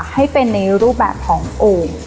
ให้เป็นในรูปแบบของโอ่ง